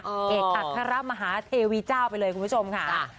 เอกอัครมหาเทวีเจ้าไปเลยคุณผู้ชมค่ะ